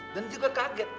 dan juga kaget